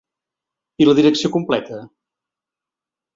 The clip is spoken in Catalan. I la direcció completa?